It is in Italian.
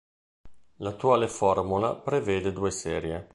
L'attuale formula prevede due serie.